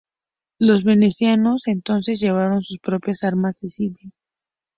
Los venecianos entonces llevaron sus propias armas de sitio.